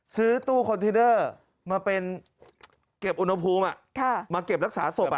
ซื้อตู้คอนเทนเดอร์มาเป็นเก็บอุณหภูมิมาเก็บรักษาศพ